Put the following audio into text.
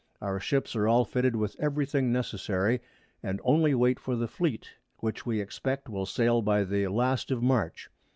Our Ships are all fitted with every thing necessary, and only wait for the Fleet, which we expect will sail by the last of_ March _.